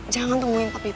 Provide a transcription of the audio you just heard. jangan temuin papi